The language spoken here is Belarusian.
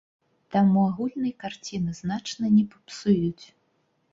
Таму агульнай карціны значна не папсуюць.